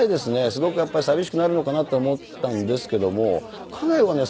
すごくやっぱり寂しくなるのかなって思ったんですけども家内はね